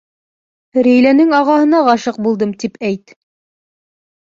— Рәйләнең ағаһына ғашиҡ булдым, тип әйт!